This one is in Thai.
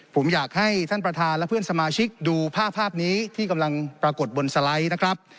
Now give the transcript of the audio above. ผมอยากให้ท่านประธานและเพื่อนสมาชิกดูภาพภาพนี้ที่กำลังปรากฏบนสไลด์นะครับ